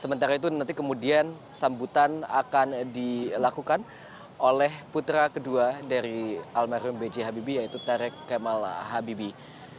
sementara itu nanti kemudian sambutan akan dilakukan oleh putra kedua dari almarhum b j habibie yaitu tarek kemal habibie